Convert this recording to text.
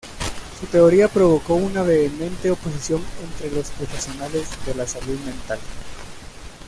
Su teoría provocó una vehemente oposición entre los profesionales de la salud mental.